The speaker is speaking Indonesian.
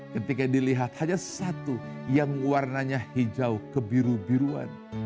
ketika dilihat hanya satu yang warnanya hijau kebiru biruan